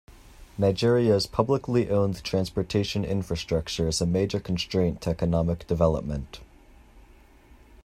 Nigeria's publicly owned transportation infrastructure is a major constraint to economic development.